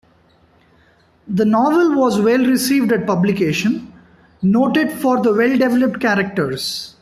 The novel was well received at publication, noted for the well-developed characters.